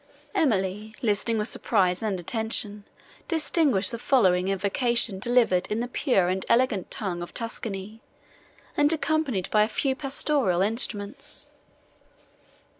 Emily, listening with surprise and attention, distinguished the following invocation delivered in the pure and elegant tongue of Tuscany, and accompanied by a few pastoral instruments.